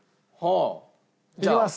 いきます。